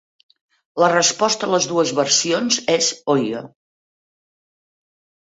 La resposta a les dues versions és "Ohio".